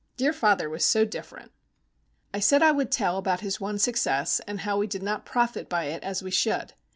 Dear father was so different! I said I would tell about his one success, and how we did not profit by it as we should.